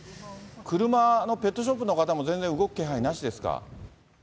車のペットショップの方も、全然動く気配なしですか？